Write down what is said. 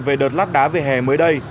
về đợt lắt đá về hè mới đây